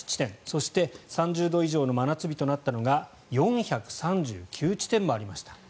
そして３０度以上の真夏日となったのが４３９地点もありました。